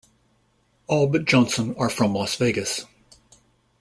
All but Johnson are from Las Vegas.